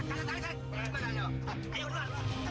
nanti kebercayaan kamu laras